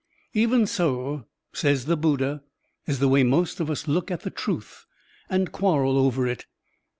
Even so, says the Buddha, is the way most of us look at the truth and quarrel over it.